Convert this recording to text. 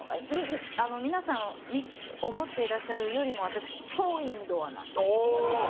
皆さん思ってらっしゃるよりも私、超インドアなので。